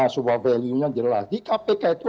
sebuah value nya jelas di kpk itu